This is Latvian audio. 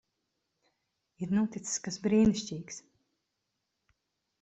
Ir noticis kas brīnišķīgs.